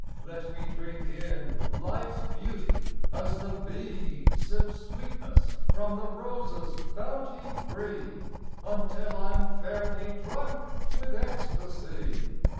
Let me drink in life s beauty as the Bee Sips sweetness from the Rose s bounty free, Until I m fairly drunk with ecstasy.